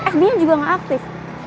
sbnya juga gak aktif